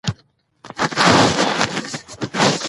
ازادي راډیو د د ځنګلونو پرېکول د پراختیا اړتیاوې تشریح کړي.